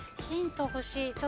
ヒント欲しい。